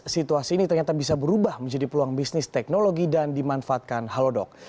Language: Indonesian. situasi ini ternyata bisa berubah menjadi peluang bisnis teknologi dan dimanfaatkan halodoc